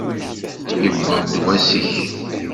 Yewweḍ-d wass-ik!